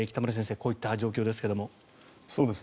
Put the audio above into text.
こういった状況ですけども。